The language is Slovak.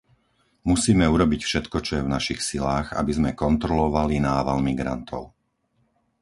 Musíme urobiť všetko, čo je v našich silách, aby sme kontrolovali nával migrantov.